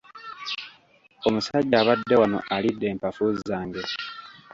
Omusajja abadde wano alidde empafu zange.